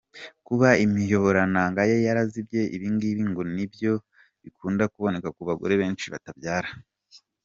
Kuba imyoborantanga ye yarazibye : Ibingibi ngo ni nabyo bikunda kuboneka ku bagore benshi batabyara.